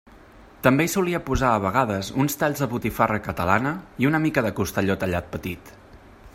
També hi solia posar a vegades uns talls de botifarra catalana i una mica de costelló tallat petit.